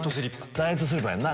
ダイエットスリッパやんな。